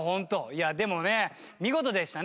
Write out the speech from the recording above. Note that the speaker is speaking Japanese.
いやでもね見事でしたね。